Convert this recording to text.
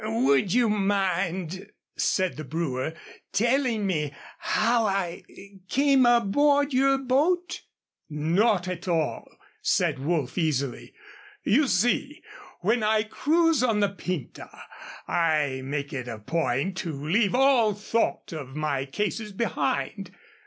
"Would you mind," said the brewer, "telling me how I came aboard your boat?" "Not at all," said Woolf, easily. "You see, when I cruise on the Pinta I make it a point to leave all thought of my cases behind.